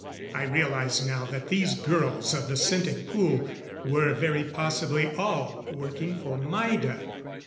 I realized now that these girls of the scented pool were very possibly all working for Maida.